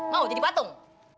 mau jadi patung